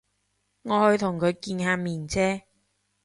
我去同佢見下面啫